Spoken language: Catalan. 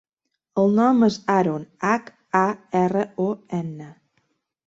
El nom és Haron: hac, a, erra, o, ena.